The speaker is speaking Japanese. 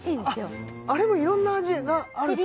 あっあれもいろんな味があるってこと？